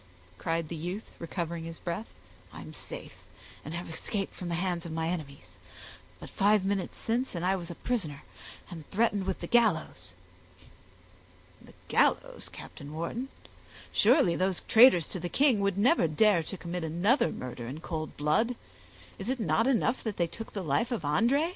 cried the youth, recovering his breath, "I am safe, and have escaped from the hands of my enemies; but five minutes since and I was a prisoner, and threatened with the gallows." "The gallows, Captain Wharton! surely those traitors to the king would never dare to commit another murder in cold blood; is it not enough that they took the life of André?